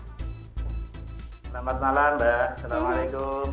selamat malam mbak assalamualaikum